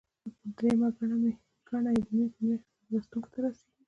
درېیمه ګڼه یې د مې په میاشت کې لوستونکو ته رسیږي.